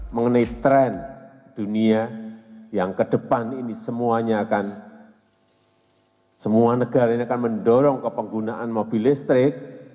mengenai tren dunia yang ke depan ini semuanya akan semua negara ini akan mendorong ke penggunaan mobil listrik